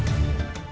masuk ke rumah